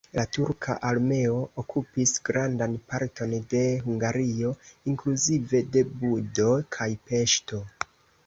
La turka armeo okupis grandan parton de Hungario inkluzive de Budo kaj Peŝto.